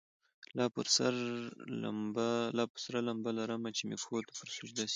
لا پر سر لمبه لرمه چي مي پښو ته پر سجده سي